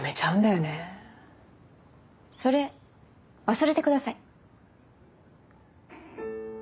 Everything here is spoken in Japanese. それ忘れてください。